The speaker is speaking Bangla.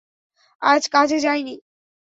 আজ কাজে যাইনি।